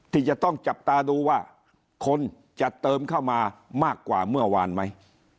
ที่จะต้องจับตาดูว่าคนจะเติมเข้ามามากกว่าเมื่อวานไหม